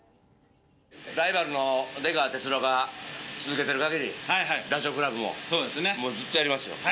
ライバルの出川哲朗が続けてるかぎり、ダチョウ倶楽部ももうずっとやりますよ。